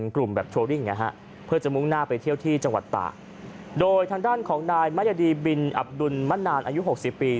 กลุ่มแบบโทรวริงเพื่อจะมุ่งหน้าไปเที่ยวที่จังหวัดตาโดยทางด้านของนายมัยดีบินอับดุลมันนานอายุ๖๐ปี